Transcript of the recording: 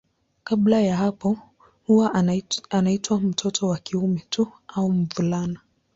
Kabla ya hapo huwa anaitwa mtoto wa kiume tu au mvulana.